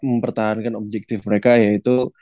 mempertahankan objektif mereka yaitu